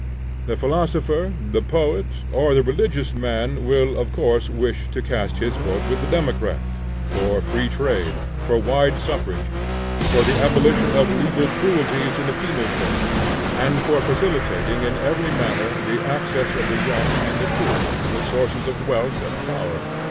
The philosopher, the poet, or the religious man will of course wish to cast his vote with the democrat, for free trade, for wide suffrage, for the abolition of legal cruelties in the penal code, and for facilitating in every manner the access of the young and the poor to the sources of wealth and power.